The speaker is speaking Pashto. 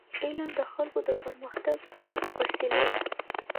علم د خلکو د پرمختګ وسیله ده.